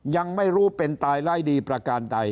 ยังไม่รู้เป็นตายร้ายดีประการใด